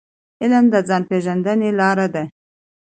علم د ځان پېژندني لار ده.